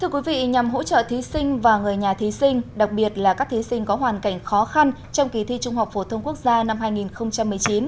thưa quý vị nhằm hỗ trợ thí sinh và người nhà thí sinh đặc biệt là các thí sinh có hoàn cảnh khó khăn trong kỳ thi trung học phổ thông quốc gia năm hai nghìn một mươi chín